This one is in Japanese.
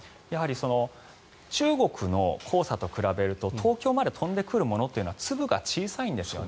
中国の黄砂と比べると東京まで飛んでくるものは粒が小さいんですよね。